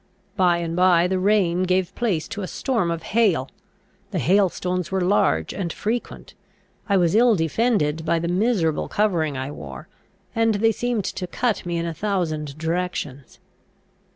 By and by the rain gave place to a storm of hail. The hail stones were large and frequent. I was ill defended by the miserable covering I wore, and they seemed to cut me in a thousand directions.